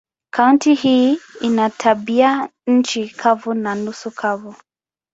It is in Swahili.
Kaunti hii ina tabianchi kavu na nusu kavu.